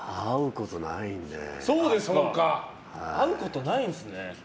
会うことないんで。